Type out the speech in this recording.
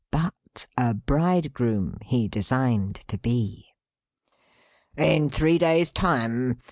But, a Bridegroom he designed to be. "In three days' time.